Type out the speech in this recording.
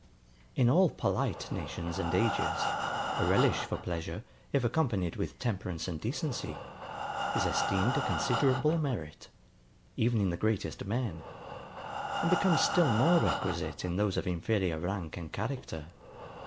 In all polite nations and ages, a relish for pleasure, if accompanied with temperance and decency, is esteemed a considerable merit, even in the greatest men; and becomes still more requisite in those of inferior rank and character.